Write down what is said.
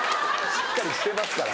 しっかりしてますから。